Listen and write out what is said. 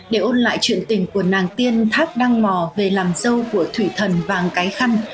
để ôn lại truyền tình của nàng tiên thác đăng mò về làm dâu của thủy thần vàng cái khăn